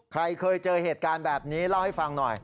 ใครเคยเจอเหตุการณ์แบบนี้เล่าให้ฟังหน่อย